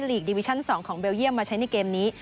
ลีกดิวิชั่น๒ของเบลเยี่ยมมาใช้ในเกมนี้